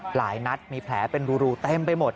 หลายนัดมีแผลเป็นรูเต็มไปหมด